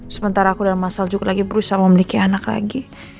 sementara aku dan mas saljuk lagi berusaha memiliki anak lagi